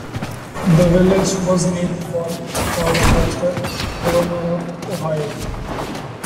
The village was named for Charles Foster, governor of Ohio.